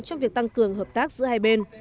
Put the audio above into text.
trong việc tăng cường hợp tác giữa hai bên